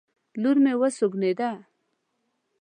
لور مې وسونګېده